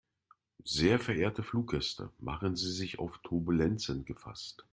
Sehr verehrte Fluggäste, machen Sie sich auf Turbulenzen gefasst.